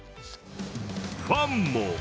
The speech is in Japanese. ファンも！